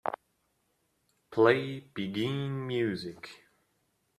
Play biguine music.